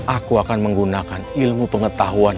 aku akan menggunakan ilmu pengetahuan